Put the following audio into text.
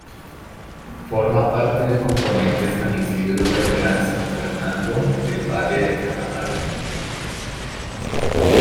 Forma parte del componente San Isidro del Gran San Fernando del Valle de Catamarca.